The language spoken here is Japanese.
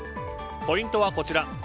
ポイントはこちら。